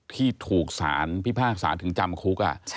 ที่ถูกสารพิพากษาถึงจำคุก